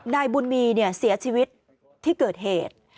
นายบุญมีเสียชีวิตที่เกิดเหตุ